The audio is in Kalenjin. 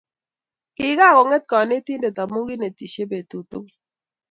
Kigakonget kanetindet amu kinetishe betut tugul